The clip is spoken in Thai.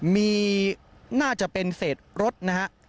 มีน่าจะเป็นเศษรถนะฮะ